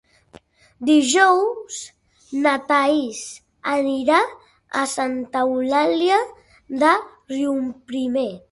Dijous na Thaís anirà a Santa Eulàlia de Riuprimer.